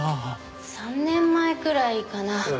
３年前くらいかな？